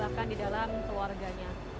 bahkan di dalam keluarganya